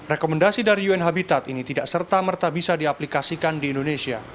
rekomendasi dari un habitat ini tidak serta merta bisa diaplikasikan di indonesia